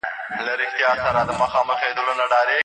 ایا تکړه پلورونکي انځر پلوري؟